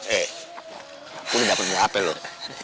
eh aku udah dapet muat apel loh